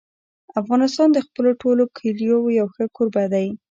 افغانستان د خپلو ټولو کلیو یو ښه کوربه دی.